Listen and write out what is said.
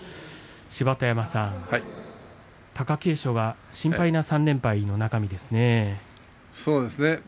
芝田山さん、貴景勝は心配な３連敗ですね。